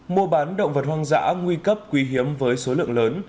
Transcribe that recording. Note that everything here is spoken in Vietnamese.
mua bán động vật hoang dã nguy cấp quý hiếm với số lượng lớn